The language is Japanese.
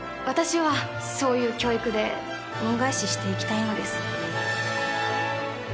私はそういう教育で恩返ししていきたいのです。